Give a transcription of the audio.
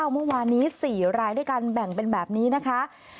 เมื่อวานนี้๔รายด้วยการแบ่งเป็นแบบนี้นะคะ